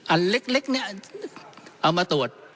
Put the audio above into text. อันเล็กเนี่ยเอามาตรวจ